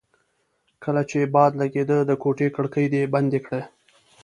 کله چې باد لګېده د کوټې کړکۍ دې بندې کړې.